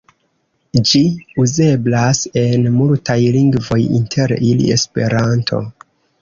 Ĝi uzeblas en multaj lingvoj, inter ili Esperanto.